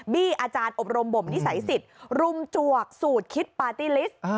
อาจารย์อบรมบ่มนิสัยสิทธิ์รุมจวกสูตรคิดปาร์ตี้ลิสต์